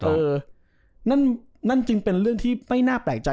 เออนั่นจึงเป็นเรื่องที่ไม่น่าแปลกใจ